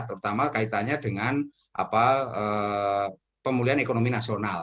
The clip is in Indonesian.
terutama kaitannya dengan pemulihan ekonomi nasional